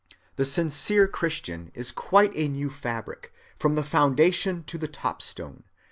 The sincere Christian is quite a new fabric, from the foundation to the top‐stone.